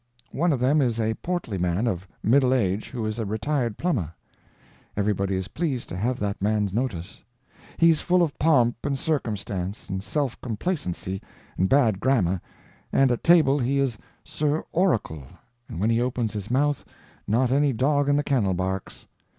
One of them is a portly man of middle age who is a retired plumber. Everybody is pleased to have that man's notice. He's full of pomp and circumstance and self complacency and bad grammar, and at table he is Sir Oracle and when he opens his mouth not any dog in the kennel barks.